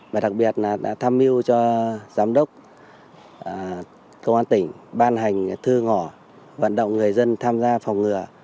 và đặc biệt là đã tham mưu cho giám đốc công an tỉnh ban hành thư ngỏ vận động người dân tham gia phòng ngừa